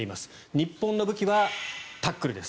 日本の武器はタックルです。